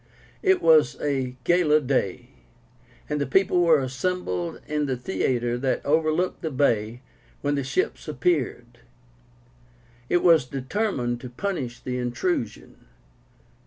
It was a gala day, and the people were assembled in the theatre that overlooked the bay when the ships appeared. It was determined to punish the intrusion.